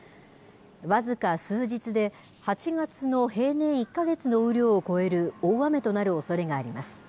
僅か数日で、８月の平年１か月の雨量を超える大雨となるおそれがあります。